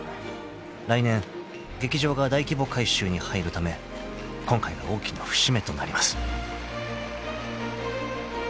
［来年劇場が大規模改修に入るため今回が大きな節目となります］